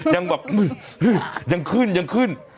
ยังเบบยังคื่นยังคื่น